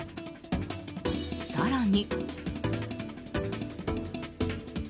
更に。